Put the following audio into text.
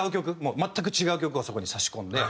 全く違う曲をそこに差し込んで。